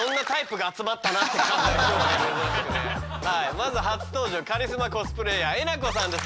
まず初登場カリスマコスプレイヤーえなこさんです。